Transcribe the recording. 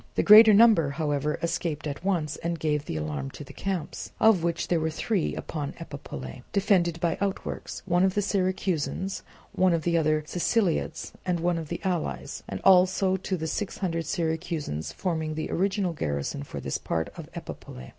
The greater number, however, escaped at once and gave the alarm to the camps, of which there were three upon Epipolae, defended by outworks, one of the Syracusans, one of the other Siceliots, and one of the allies; and also to the six hundred Syracusans forming the original garrison for this part of Epipolae.